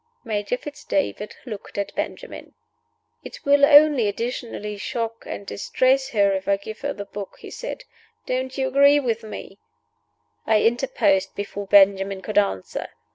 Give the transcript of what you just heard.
Major Fitz David looked at Benjamin. "It will only additionally shock and distress her if I give her the book," he said. "Don't you agree with me?" I interposed before Benjamin could answer.